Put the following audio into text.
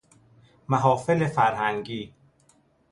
محافل فرهنگی